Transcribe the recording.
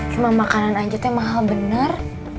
cuma makanan aja tuh yang mahal benar